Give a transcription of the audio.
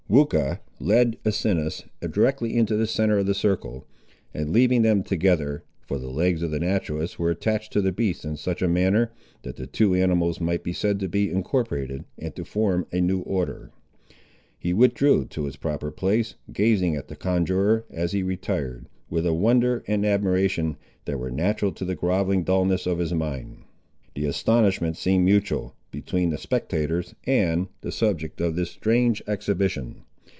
Weucha led Asinus directly into the centre of the circle, and leaving them together, (for the legs of the naturalist were attached to the beast in such a manner, that the two animals might be said to be incorporated, and to form a new order,) he withdrew to his proper place, gazing at the conjuror, as he retired, with a wonder and admiration, that were natural to the groveling dulness of his mind. The astonishment seemed mutual, between the spectators and the subject of this strange exhibition.